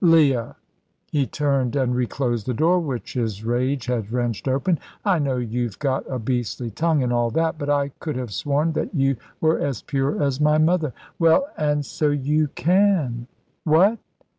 "Leah!" he turned and reclosed the door, which his rage had wrenched open. "I know you've got a beastly tongue, and all that; but I could have sworn that you were as pure as my mother." "Well, and so you can." "What?